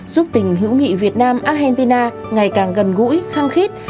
giúp tình hữu nghị việt nam argentina ngày càng gần gũi khăng khít